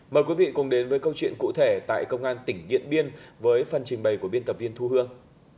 mời quý vị cùng đến với câu chuyện cụ thể tại công an tỉnh điện biên với phần trình bày của biên tập viên thu hương